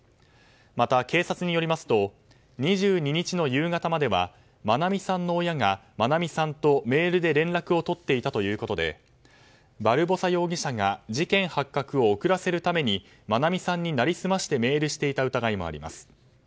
また警察によりますと２２日の夕方までは愛美さんの親が、愛美さんとメールで連絡を取っていたということで、バルボサ容疑者が事件発覚を遅らせるために愛美さんに成り済ましてメールしていた疑いもあります。